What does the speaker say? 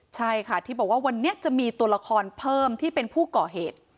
ใช่ค่ะที่บอกว่าวันนี้จะมีตัวละครเพิ่มที่เป็นผู้ก่อเหตุ